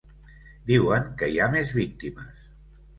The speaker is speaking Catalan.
Diuen que hi ha més víctimes.